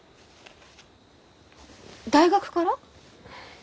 大学から？